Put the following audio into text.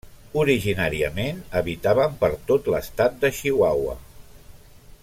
Originàriament habitaven per tot l'estat de Chihuahua.